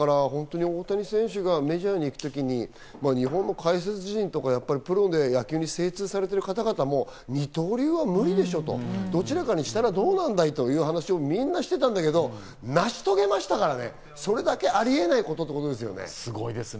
大谷選手がメジャーに行く時に日本の解説陣とか、プロで野球に精通されている方も二刀流は無理でしょとどちらかにしたらどうなんだい？という話をみんなしていたんだけど成し遂げましたからね。